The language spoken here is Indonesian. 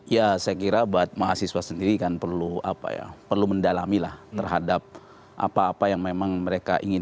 ya saya kira buat mahasiswa sendiri kan perlu apa ya perlu mendalami lah terhadap apa apa yang memang mereka inginkan